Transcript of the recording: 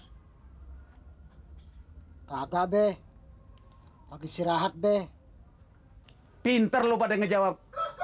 hai kakak be pagi sirahat deh hai pinter lu pada ngejawab